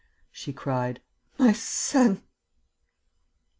she cried. "My son!..."